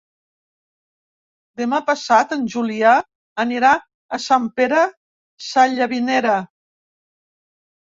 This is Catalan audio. Demà passat en Julià anirà a Sant Pere Sallavinera.